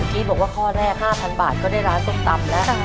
ที่บอกว่าข้อแรก๕๐๐บาทก็ได้ร้านส้มตำแล้ว